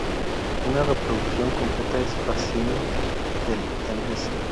Una reproducción completa en facsímil del Ms.